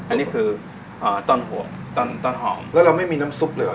อันนี้คืออ่าตอนหัวตอนตอนหอมแล้วเราไม่มีน้ำซุปเลยเหรอ